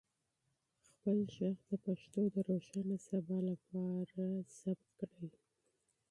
خپل ږغ د پښتو د روښانه سبا لپاره ثبت کړئ.